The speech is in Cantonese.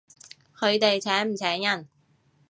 佢哋請唔請人？